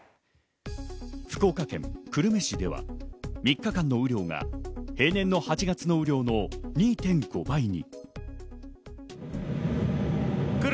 福岡県久留米市では３日間の雨量が平年の８月の雨量の２．５倍に。